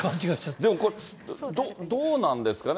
でもこれ、どうなんですかね。